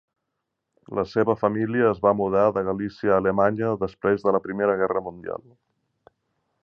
La seva família es va mudar de Galícia a Alemanya després de la Primera Guerra Mundial.